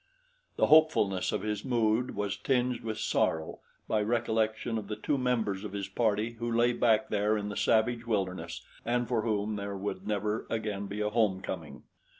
The hopefulness of his mood was tinged with sorrow by recollection of the two members of his party who lay back there in the savage wilderness and for whom there would never again be a homecoming.